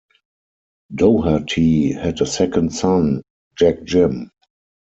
Doherty had a second son, Jack Jim.